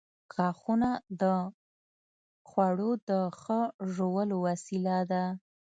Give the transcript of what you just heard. • غاښونه د خوړو د ښه ژولو وسیله ده.